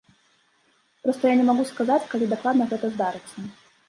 Проста я не магу сказаць, калі дакладна гэта здарыцца.